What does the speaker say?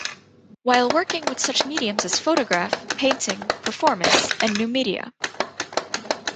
While working with such mediums as photograph, painting, performance and new media.